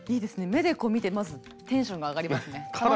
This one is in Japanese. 目で見てまずテンションが上がりますね。